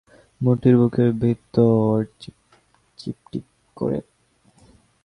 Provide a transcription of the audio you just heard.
মতির বুকের ভিতর চিপটিপ করে।